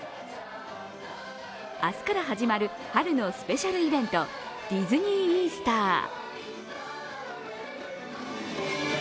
明日から始まる春のスペシャルイベント、ディズニー・イースター。